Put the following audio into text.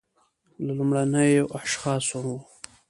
له لومړیو اشخاصو و